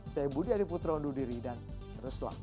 saya budi adiputra undur diri dan teruslah berimbasan